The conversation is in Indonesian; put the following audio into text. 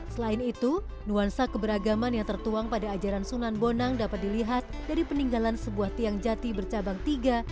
selain itu nuansa keberagaman yang tertuang pada ajaran sunan bonang dapat dilihat dari peninggalan sebuah tiang jati bercabang tiga